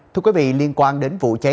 thưa quý vị liên quan đến vụ chế